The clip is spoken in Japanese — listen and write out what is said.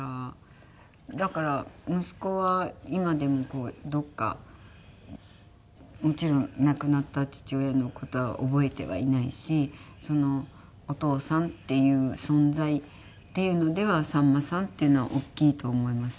だから息子は今でもどこかもちろん亡くなった父親の事は覚えてはいないしお父さんっていう存在っていうのではさんまさんっていうのはおっきいと思いますね。